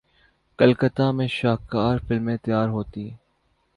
کلکتہ میں شاہکار فلمیں تیار ہوتیں۔